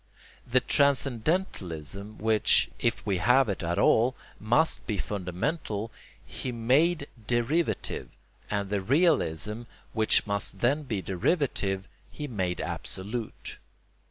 The transcendentalism which—if we have it at all—must be fundamental, he made derivative; and the realism, which must then be derivative, he made absolute.